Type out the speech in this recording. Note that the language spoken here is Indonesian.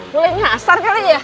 bule ngasar kali ya